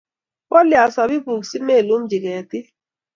Kolia sabibuk si melumchi ketik